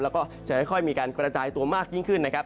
แล้วก็จะค่อยมีการกระจายตัวมากยิ่งขึ้นนะครับ